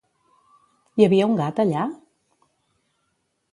Hi havia un gat allà?